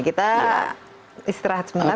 kita istirahat semangat